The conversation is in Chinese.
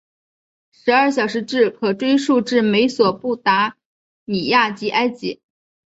十二小时制可追溯至美索不达米亚及埃及。